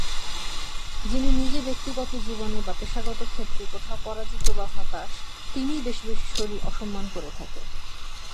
যিনি নিজে ব্যক্তিজীবনে বা পেশাগত ক্ষেত্রে কোথাও পরাজিত বা হতাশ, তিনিই বেশি বেশি শরীর অসম্মান করে থাকে।